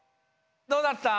どうだった？